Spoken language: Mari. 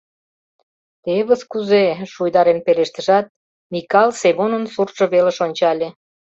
— Тевыс кузе-э!.. — шуйдарен пелештышат, Микал Семонын суртшо велыш ончале.